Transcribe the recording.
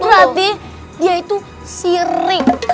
berarti dia itu sirik